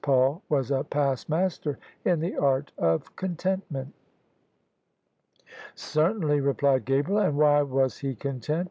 Paul was a past master in the art of contentment?" "Certainly," replied Gabriel. "And why was he con tent?"